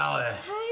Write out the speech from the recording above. はい。